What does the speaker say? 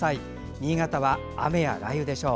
新潟は雨や雷雨でしょう。